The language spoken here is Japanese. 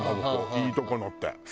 いいとこのって。